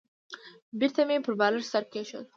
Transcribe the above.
بېرته مې پر بالښت سر کېښود.